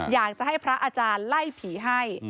อยากจะให้พระอาจารย์ไล่ผีให้